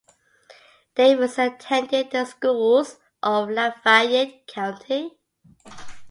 Davis attended the schools of Lafayette County.